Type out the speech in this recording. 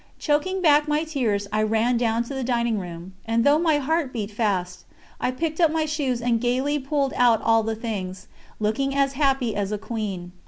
Choking back my tears, I ran down to the dining room, and, though my heart beat fast, I picked up my shoes, and gaily pulled out all the things, looking as happy as a queen.